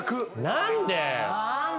何で？